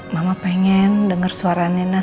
mama pengen denger suara nena